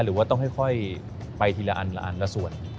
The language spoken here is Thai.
หรือว่าต้องค่อยไปทีละอันละอันละส่วน